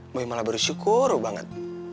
boy malah bersyukur banget